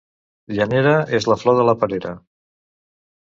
Llanera és la flor de la perera.